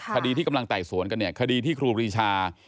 คดีที่กำลังไต่สวนกันเนี่ยคดีที่ครูปรีชา